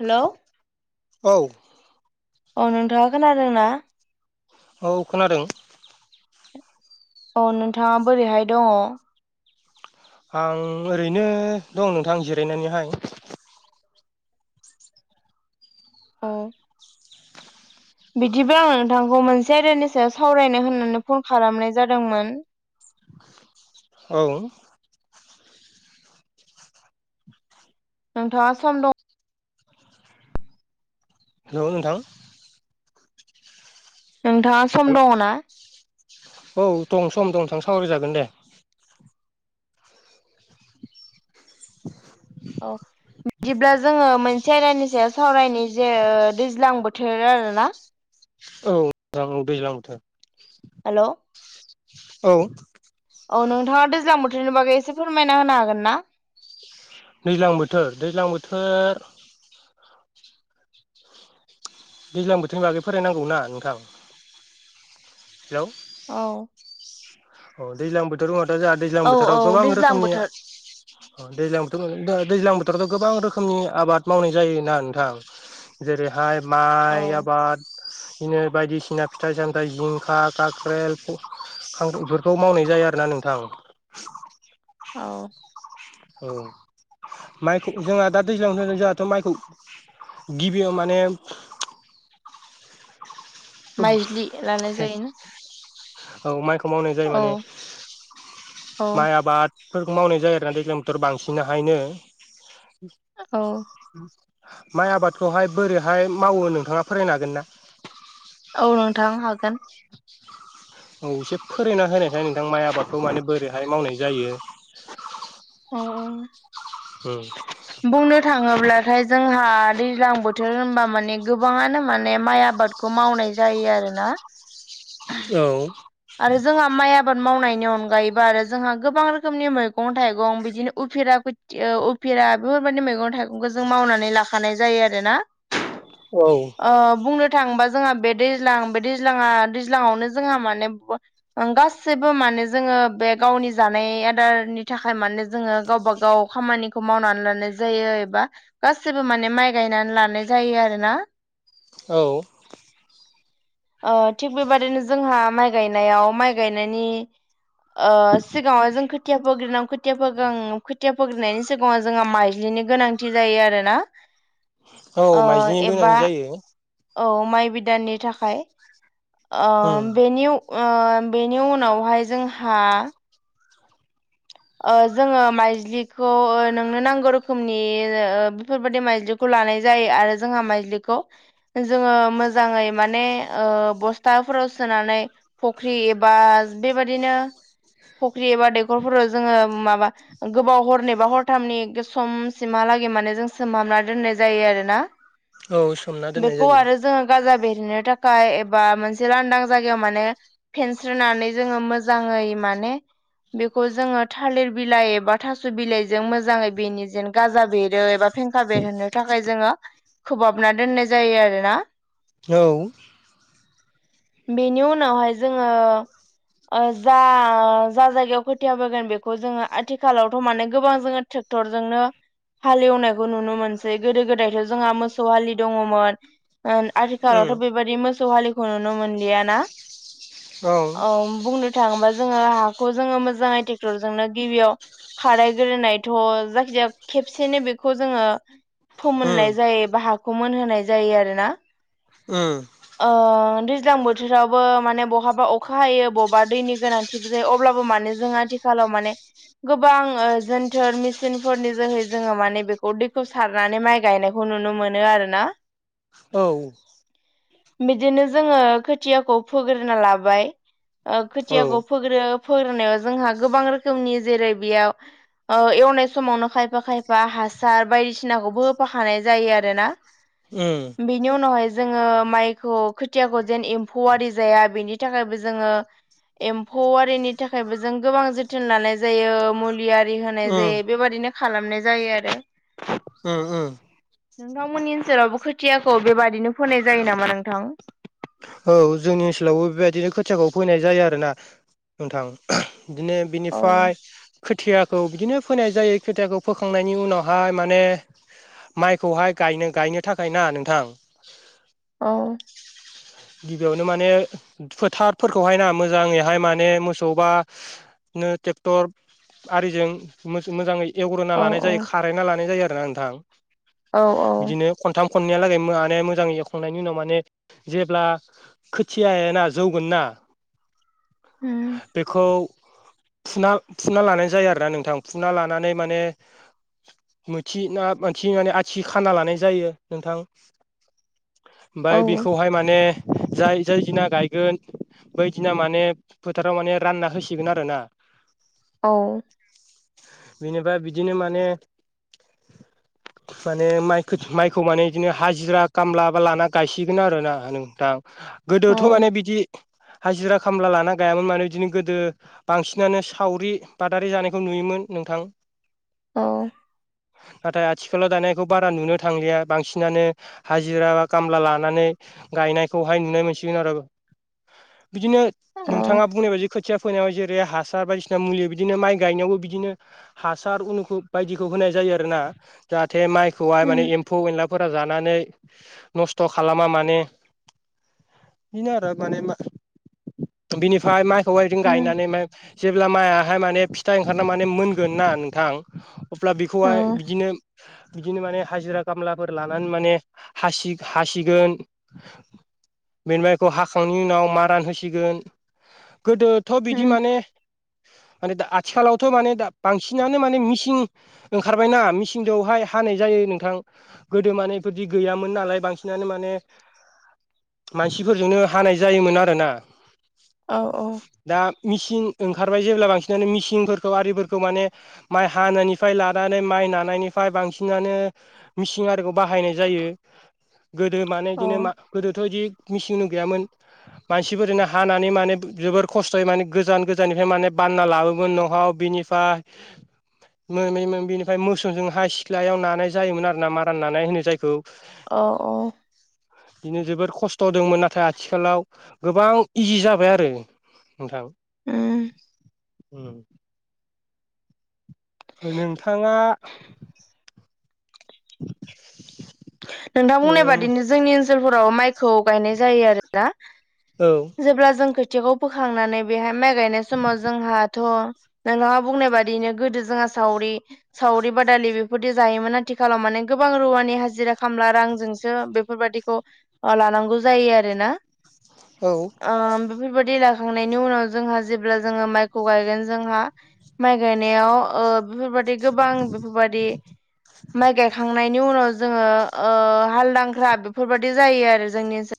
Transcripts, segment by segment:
Hello औ। अ नोंथाङा खोनादों ना? औ खोनादों। औ नोंथाङा बोरैहाय दङ? आं ओरैनो दं नोंथां जिरायनानैहाय। अ। बिदिब्ला आं नोंथांखौ मोनसे आयदानि सायाव सावरायनो होननानै फन खालामनाय जादोंमोन। औ। नोंथाङा सम दं हेल' नोंथां। नोंथाङा सम हेल' दङना? औ दं सम दं नोथां सावराय जागोन दे। [inaudible] अ। बिदिब्ला जोङो मोनसे आयदानि सायाव सावरायनि जे ओ दैज्लां बोथोर आरोना। औ रां औ दैज्लांथो हेल'। औ। औ नोंथाङा दैज्लां बोथोरनि बागै एसे फोरमायना होनो हागोन ना? दैज्लां बोथोर दैज्लां बोथोर दैज्लां बोथोरनि बागै फोरायनांगौ ना नोंथां? हेलौ। औ। अ दैज्लां बोथोर दङाथ' जोंहा दैज्लां औ बोथोराव औ गोबां दैज्लां रोखोमनि बोथोर दैज्लां बोथोर दैज्लां बोथोरावथ' गोबां रोखोमनि आबाद मावनाय जायोना नोंथां जेरैहाय औ माइ आबाद बिदिनो बायदिसिना फिथाइ सामथाइ जिंखा, खाख्रेल, खांखुर खौ मावनाय जायो आरोना नोंथां। औ। औ। माइखौ जोंहा दा दैज्लां थ जोंहाथ' माइखौ गिबियाव माने माइज्लि लानाय जायोना औ माइखौ मावनाय जायो औ माने औ माइ आबाद फोरखौ मावनाय जायो आरोना दैज्लां बोथोराव बांसिन हायनो। ओ औ। माइ आबादखौहाय बोरैहाय मावो नोंथाङा फरायनो हागोन ना? औ नोंथां हागोन। औ एसे फोरायना होनायखाय नोंथां माइ आबादखौ माने बोरैहाय मावनाय जायो। औ औ ओं। बुंनो थाङोब्लाथाय जोंहा दैज्लां बोथोर होनबा माने गोबाङानो माने माइ आबाद खौ मावनाय जायो आरो ना औ आरो जोंहा माइ आबाद मावनायनि अनगायैबो आरो जोंहा गोबां रोखोमनि मैगं थाइगं बिदिनो उफिरा उफिरा बेफोरबायदि मैगं थाइगंखौ जों मावनानै लाखानाय जायो आरो ना औ बुंनो थाङोबा जोंहा बे दैज्लां बे दैज्लाङा दैज्लाङावनो जोंहा माने गासैबो माने जोङो बे गावनि जानाय आदारनि थाखाय माने जोङो गावबा गाव खामानि खौ मावनानै लानाय जायो एबा गासैबो माने माइ गायनानै लानाय जायो आरोना औ थिग बेबादिनो जोंहा माइ गायनायाव माइ गायनायनि आ सिगाङाव जों खोथिया फोग्रोनो खोथिया फोगो खोथिया फोग्रोनायनि सिगाङाव जोंहा माइज्लिनि गोनांथि जायो आरोना औ माइज्लिनि गोनांथि एबा जायो औ माइ बिदांनि थाखाय बेनि बेनि उनावहाय जोंहा जोङो माइज्लिखौ नोंनो नांगौ रोखोमनि बेफोरबायदि माइज्लिखौ खौ लानाय जायो आरो जोंहा माइलिखौ जोङो मोजाङै माने बस्थाफोराव सोनानै फख्रि एबा बेबादिनो फख्रि एबा दैखरफोराव जोङो माबा गोबाव हरनै बा हरथामनि समसिमहालागै माने जों सोमहाबना दोननाय जायो आरो ना औ सोमना दोननाय बेखौ जायो आरो जोङो गाजा बेरहोनो थाखाय एबा मोनसे लांदां जायगायाव माने फेनस्रिनानै जोङो मोजाङै माने बेखौ जोङो थालिर बिलाइ एबा थास' बिलाइजों मोजाङै बेनि जेन गाजा बेरो एबा फेंखा बेरहोनो थाखाय जोङो खोबहाबना दोननाय जायो आरोना औ बेनि उनावहाय जोङो जा जा जायगायाव खोथिया फोगोन बेखौ बे खौ जोङो आथिखालावथ' माने गोबां जोङो ट्रेक्टरजोंनो हालेवनायखौ नुनो मोनसै गोदो गोदायथ' जोंहा मोसौ हालि दङमोन आथिखालावथ' औ बेबायाददि मोसौ हालिखौ नुनो मोनलियाना औ बुंनो थाङोबा जोङो हाखौ जोङो मोजाङै ट्रेक्टरजोंनो गिबियाव खाराय ग्रोनायथ' जायखिजाया खेबसेनो बेखौ जोङो फोमोननाय जायो बा हाखौ मोनहोनाय जायो आरोना ओम दैज्लां बोथोरावबो माने बहाबा अखा हायो बहाबा दैनि गोनांथि जायो अब्लाबो माने जों आथिखालाव माने गोबां जोनथोर मेसिनफोरनि जोहै जोङो माने बेखौ दैखौ सारनानै माइ गायनायखौ खौ नुनो मोनो आरोना। औ। बिदिनो जोङो खोथियाखौ फोग्रोना लाबाय। औ खोथियाखौ फोग्रो फोग्रोनायाव जोंहा गोबां रोखोमनि जेरै बेयाव एवनाय समावनो खायफा खायफा हासार बायदिसिनाखौबो होफाखानाय जायो आरोना ओम बेनि उनावहाय जोङो माइखौ खोथियाखौ जेन एम्फौ आरि जाया बेनि थाखायबो जोङो एम्फौ आरिनि थाखायबो जों गोबां जोथोन लानाय जायो मुलि आरि होनाय जायो बेबादिनो खालामनाय जायो आरो। ओम ओम। नोंथांमोननि ओनसोलावबो खोथियाखौ बेबादिनो फोनाय जायो नामा नोंथां। औ जोंनि ओनसोलावबो बेबायदिनो खोथियाखौ फोनाय जायो आरोना। नोंथां बिदिनो औ बिनिफाय खोथियाखौ बिदिनो फोनाय जायो खोथियाखौ फोखांनायनि उनावहाय माने माइखौहाय गायनो गायनो थाखाय ना नोंथां। औ। गिबियावनो माने फोथारफोरखौहायना मोजाङैहाय माने मोसौ बा नो ट्रेक्टर आरिजों मो-मोजाङै एवग्रोना औ लानाय जायो खारायना लानाय जायो आरोना नोंथां औ बिदिनो खनथाम खननैयालागै माने मोजाङै एवखांनायनि उनाव माने अब्ला खोथियायाना जौगोन ना बेखौ फुना फुना लानाय जायो आरोना नोंथां फुना लानानै माने मोनथि ना मोनथिनानै आथि खाना लानाय जायो नोंथां। औ ओमफाय बेखौहाय माने जाय जाय दिना गायगोन। बै दिना माने फोथाराव माने रानना होसिगोन आरो ना। औ। बिनिफ्राय बिदिनो माने माने माइ माइखौ माने बिदिनो हाजिरा खामला बा लाना गायसिगोन आरो ना। आ नोंथां गोदोथ' माने बिदि हाजिरा खामला लाना गायामोन माने बिदिनो गोदो बांसिनानो सावरि बादारि जानायखौ नुयोमोन नोंथां। अ। नाथाय आथिखालाव दानायखौ बारा नुनो थांलिया बांसिनानो हाजिरा बा खामला लानानै गायनायखौहाय नुनो मोनसिगोन आरो बिदिनो अ नोंथाङा बुंनाय बायदि खो खोथिया फोनायाव जेरै हासार बायदिसिना मुलि बिदिनो माइ गायनायावबो बिदिनो हासार उनुखुुल बायदिखौ होनाय जायो आरोना जाहाथे माइ खौहाय माने एम्फौ एनलाफोरा जानानै नस्थ' खालामा मा [inaudible] बेनो आरो माने बिनिफाय माय खौहाय जों गायनानै ओमफाय जेब्ला मायाहाय माने फिथा ओंखारना माने मोनगोन ना नोंथां अब्ला बेखौहाय बिदिनो बिदिनो माने हाजिरा खामलाफोर लानानै माने हासि हासिगोन। बेनि उनाव माइखौ हाखांनायनि उनाव मारान होसिगोन गोदो थ' बिदि माने माने दा आथिखालावथ' माने दा बांसिनानो माने मिसिन ओंखारबायना मेचिनजोंहाय हानाय जायो नोंथां। गोदो माने इफादि गैयामोन नालाय बांसिनानो माने मानसिफोरजोंनो हानाय जायोमोन आरोना औ औ दा मिसिं ओंखारबाय जेब्ला बांसिनानो मिसिंफोरखौ आरिफोरखौ माने माइ हानायनिफ्राय लानानै माइ नानायनिफ्राय बांसिनानो मिसिं आरिखौ बाहायनाय जायो गोदो माने इदिनो गोदोथ' इदि मिसिंउनु गैयामोन मानसिफोरजोंनो हानानै माने जोबोर खस्थ'यै माने गोजान गोजाननिफ्राय माने बानना लाबोमोन न'वाव बिनिफा [inaudible] मोन मोन बेनिफ्राय मोसौजों हा सिथलायाव नानाय जायोमोन आरो ना मारा नानाय होनो जायखौ औ अ बिदिनो जोबोर खस्थ' दंमोन नाथाय आथिखालाव गोबां इजि जाबाय आरो। नोंथां ओम। नोंथाङा नोंथां औ बुंनाय बादिनो जोंनि ओनसोलफोराव माइखौ गायनाय जायो आरोना। औ जेब्ला जों खोथियाखौ फोखांनानै बेहाय माइ गायनाय समाव जोंहाथ' नोंथाङा बुंनाय बादिनो गोदो जोंहा सावरि सावरि बादालि बेफोरदि जायोमोन आथिखालाव माने गोबां रुवानि हाजिरा खामला रांजोंसो बेफोरबादिखौ ओ लानांगौ जायो आरोना औ ओ बेफोरबायदि लाखांनायनि उनाव जोंहा जेब्ला जोङो माइखौ गायगोन जोंहा माइ गायनायाव ओब बेफोरबायदि गोबां बेफोरबायदि माइ गायखांनायनि उनाव जोङो ओ हालदांख्रा बेफोरबादि जायो आरो जोंनि ओनसो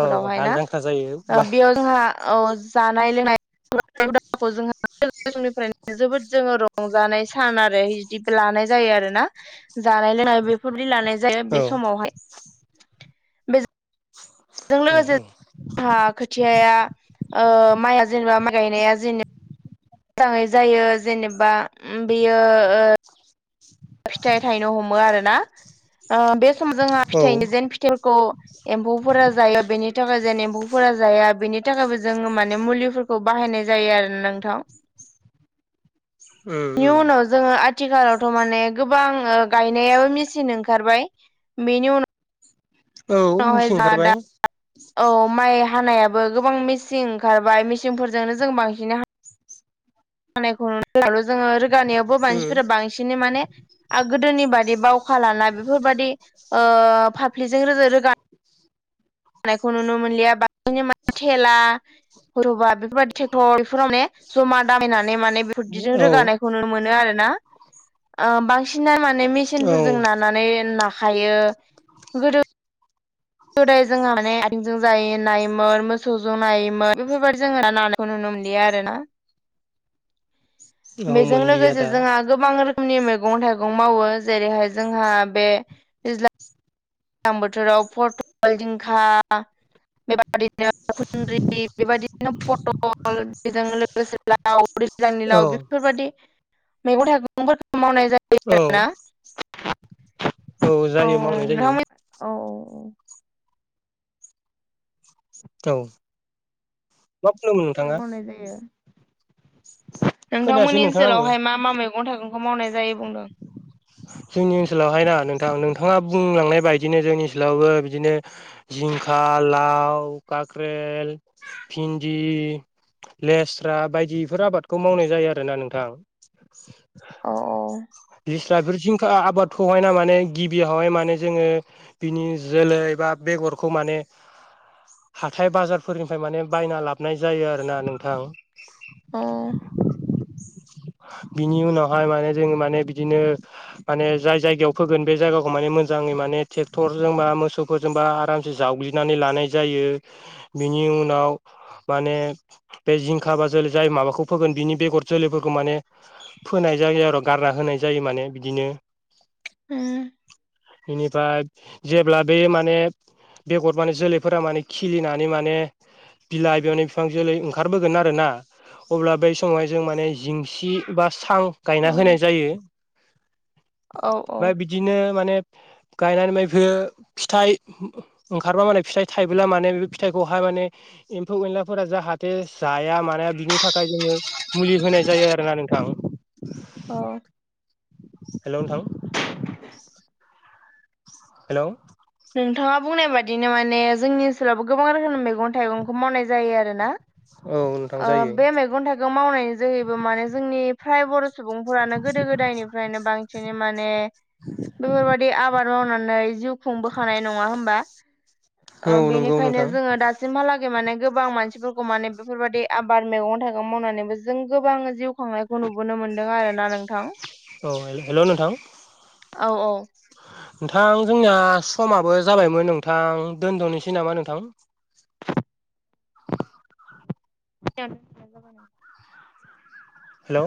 औ ना हाल जांख्रा जायो बा बेयाव जोंहा औ जानाय लोंनाय [unintelligible] जोबोद जोङो रंजानाय सान आरो जिब लानाय जायो आरो ना जानाय लोंनाय बेफोरदि लानाय जायो औ बे समावहाय जों औ लोगोसे जोंहा खोथियाया ओ माइआ जेनेबा माइ गायनाया जेनेबा मोजाङै जायो जेनेबा ओम बेयो फिथाइ थायनो हमो आरो ना ओ बे समजोंहा औ फिथाइनि जेन फिथाइफोरखौ एम्फौफोरा जायो बेनि थाखाय जेन एम्फौफोरा जाया बेनि थाखायबो जोङो माने मुलिफोर खौ बाहायनाय जायो आरोना नोंथां नि उनाव जोङो आथिखालावथ' माने गोबां ओ गायनायाबो मेसिन ओंखारबाय बेनि उनाव औ मिथिं ओंखारबाय उनावहाय [unintelligible] औ माइ हानायाबो गोबां मेसिं ओंखारबाय मेसिंफोरजोंनो जों बांसिन हा नायखौ [unintelligible] जोङो रोगानायावबो मानसिफोरा बांसिनै माने आ गोदोनि बादि बावखा लाना बेफोरबायदि ओ फाफ्लिजों रोजो रोगा नायखौ नुनो मोनलिया बा थेला रबा बे बेफोरबायदि ट्रेक्टर बेफोराव माने जमा दामायनानै माने बेफोरदिजों औ रोगानाय खौ नुनो मोनो आरोना ओ बांसिना माने औ मेसिनफोरजों ना नानै नाखायो गोदो गोदाय जोङो माने आथिंजों जाय नायोमोन मोसौजों नायोमोन बेफोरबायदि जोङो ना खौ नुनो मोनलिया आरोना औ बेजों मोनलिया लोगोसे दा जोंहा गोबां रोखोमनि मैगं थाइगं मावो जेरैहाय जोंहा बे दैज्लां बोथोराव फटल जिंखा बेबादिनो खुन्द्रि बेबायदिनो पटल बेजों मेसेंनि लाव दैज्लांनि औ लाव बेफोरबायादि मैगं थाइगंफोरखौ मावनाय जायो। आरोना औ [inaudible] औ जायो मावनाय जायो। औ औ। औ मा बुंदोंमोन मैगं नोंथाङा? मावनाय जायो। खोनायासै नोंथांमोननि नोंथां आङो ओनसोलावहाय मा मा मैगं थाइगंखौ मावनाय जायो बुंदों। जोंनि ओनसोलावहायना नोंथां नोंथाङा बुंलांनाय बायदिनो जोंनि ओनसोलावबो बिदिनो जिंखा लाव काकरेल भिन्दि लेस्रा बायदिफोर आबादखौ मावनाय जायो आरोना नोंथां [inaudible] औ अ लिस्रा बिफोर सिंखा आबादखौहायना माने गिबियावहाय माने जोङो बिनि जोलै बा बेगरखौ माने हाथाय बाजारफोरनिफ्राय माने बायना लाब नाय जायो आरोना नोंथां। औ बिनि उनावहाय माने जों माने बिदिनो माने जाय जायगायाव फोगोन बे जायगाखौ माने मोजाङै माने ट्रेक्टरजों बा मोसौ फोरजोंबा आरामसे जावग्लिनानै लानाय जायो बेनि उनाव माने बे जिंखा बा जोलै जाय माबाखौ फोगोन बिनि बेगर जोलैफोरखौ माने फोनाय जायो आरो गारना होनाय जायो माने बिदिनो। उम। बेनिफ्राय जेब्ला बे माने बेगद माने जोलैफोरा माने खिलिनानै माने बिलाइ बेयावनो बिफां जोलै ओंखारबोगोन आरो ना अब्ला बै समावहाय जों माने जिंसि बा सां औ गायना होनाय जायो। औ औ। बा बिदिनो माने गायनानै मैफोर फिथाइ ओंखारबा माने फिथाइ थाइबोब्ला माने बे फिथाइखौहाय माने एम्फौ एनलाफोरा जाहाथे जाया माया बिनि थाखाय जोङो मुलि होनाय जायो आरोना नोंथां। औ। हेलौ नोंथां। हेलौ। नोंथाङा बुंनाय बादिनो माने जोंनि ओनसोलावबो गोबां रोखोमनि मैगं थाइगंखौ मावनाय जायो आरो ना। नोंथां ओ जायो बे मैगं थाइगं मावनायनि जोहैबो माने जोंनि फ्राय बर' सुबुंफोरानो गोदो गोदायनिफ्रायनो बांसिनै माने बेफोरबादि आबाद मावनानै जिउ खुंबोखानाय नङा होमबा ओ औ नंगौ बेनिखायनो नोंथां जोङो दा दासिमहालागै माने गोबां मानसिफोरखौ माने बेफोरबायदि आबाद मैगं थाइगं मावनानैबो जों गोबां जिउ खांनाय खौ नुबोनो मोन्दों आरो ना नोंथां। औ हेल हेलौ नोंथां। औ औ। नोंथां जोंना समाबो जाबायमोन नोंथां दोनथ'नोसै नामा नोंथां। [unintelligible] हेलौ।